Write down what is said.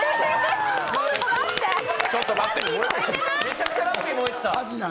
ちょっと待って。